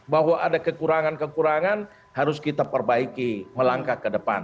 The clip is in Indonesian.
bahwa ada kekurangan kekurangan harus kita perbaiki melangkah ke depan